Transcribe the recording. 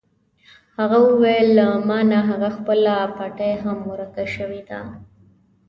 هغه وویل: له ما نه هغه خپله پټۍ هم ورکه شوې ده.